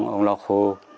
ông lọc hô